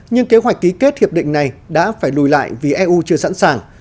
nhưng kế hoạch ký kết hiệp định này đã phải lùi lại vì eu chưa sẵn sàng